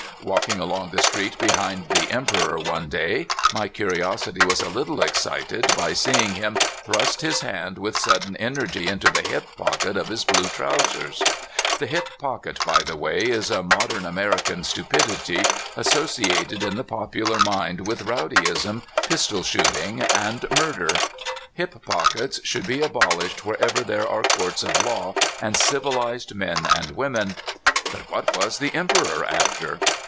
Walking along the street behind the Emperor one day, my curiosity was a little excited by see ing him thrust his hand with sudden energy into the hip pocket of his blue trousers. The hip pocket, by the way, is a modern American stu pidity, associated in the popular mind with rowdy ism, pistol shooting, and murder. Hip pockets should be abolished wherever there are courts of law and civilized men and women. But what was the Emperor after?